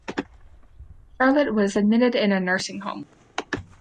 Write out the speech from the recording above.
Charlotte was admitted in a nursing home.